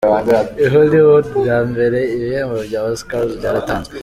I Hollywood, bwa mbere ibihembo bya Oscars byaratanzwe.